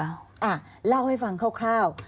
อ่ะเล่าให้ฟังคร่าว